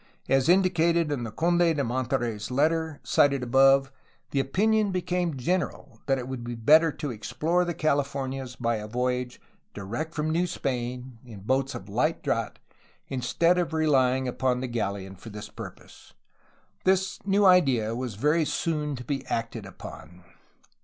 As indicated in the Conde de Monterey's letter, cited above, the opinion became general that it would be better to explore the Californias by a voyage direct from New Spain, in boats of light draught, instead of relying upon the galleon for this purpose. The new idea was very soon to be acted upon.